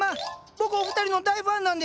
僕お二人の大ファンなんです！